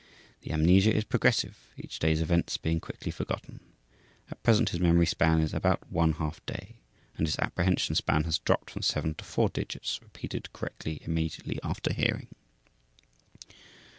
The amnesia is progressive, each day's events being quickly forgotten. At present his memory span is about one half day, and his apprehension span has dropped from 7 to 4 digits repeated correctly immediately after hearing.